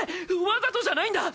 わざとじゃないんだ！